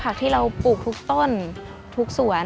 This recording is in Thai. ที่เราปลูกทุกต้นทุกสวน